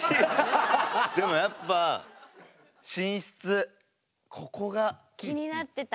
でもやっぱここが。気になってた。